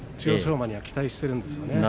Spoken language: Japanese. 馬には期待しているんです。